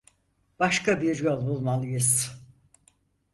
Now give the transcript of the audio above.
Başka bir yol bulmalıyız.